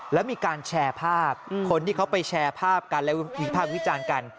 แล้วมีการแชร์ภาพคนที่เขาไปแชร์ภาพกันและวิภาควิจารณ์กัน